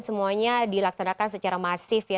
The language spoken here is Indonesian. semuanya dilaksanakan secara masif ya